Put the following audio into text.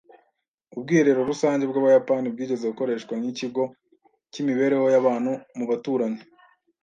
Ubwiherero rusange bwabayapani bwigeze gukoreshwa nkikigo cyimibereho yabantu mubaturanyi